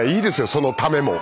そのためも。